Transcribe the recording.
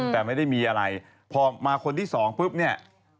แต่ไม่ได้มีอะไรพอมาคนที่สองปุ๊บเนี่ย